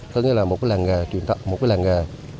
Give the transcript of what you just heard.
có nghĩa là một cái làng gà truyền thật một cái làng gà